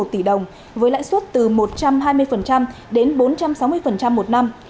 một tỷ đồng với lãi suất từ một trăm hai mươi đến bốn trăm sáu mươi một năm